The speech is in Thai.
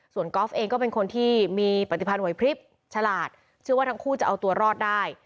ส่วนกอล์ฟเองก็เป็นคนที่มีปฏิพันธ์ไหวพลิบฉลาดเชื่อว่าทั้งคู่จะเอาตัวรอดได้